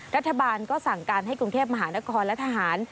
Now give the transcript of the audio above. รัฐบาลก็สั่งการให้กรุงเทพมหานครและทหาร